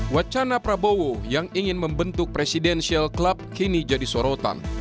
wacana prabowo yang ingin membentuk presidensial club kini jadi sorotan